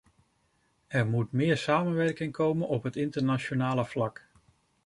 Er moet meer samenwerking komen op het internationale vlak.